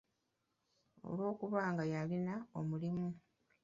Olw'okuba nga yalina omulimu.